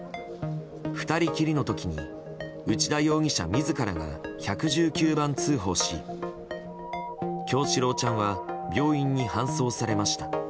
２人きりの時に内田容疑者自らが１１９番通報し叶志郎ちゃんは病院に搬送されました。